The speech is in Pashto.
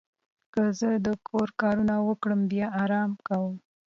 که زه د کور کارونه وکړم، بیا آرام کوم.